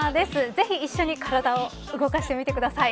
ぜひ一緒に体を動かしてみてください。